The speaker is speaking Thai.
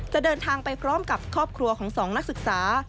เดินทางไปพร้อมกับครอบครัวของ๒นักศึกษา